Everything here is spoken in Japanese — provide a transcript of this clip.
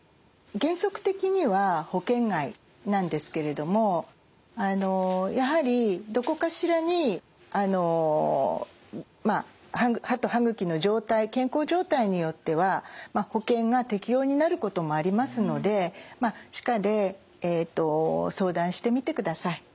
原則的には保険外なんですけれどもやはりどこかしらにあのまあ歯と歯茎の状態健康状態によっては保険が適用になることもありますので歯科で相談してみてください。